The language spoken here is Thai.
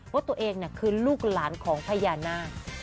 ว่าตัวเองคือลูกหลานของพญานาค